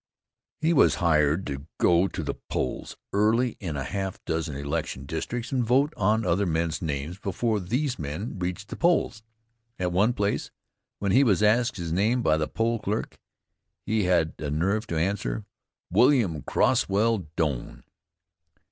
He was hired to go to the polls early in a half dozen election districts and vote on other men's names before these men reached the polls. At one place, when he was asked his name by the poll clerk, he had the nerve to answer "William Croswell Doane."